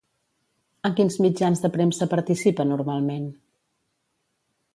En quins mitjans de premsa participa normalment?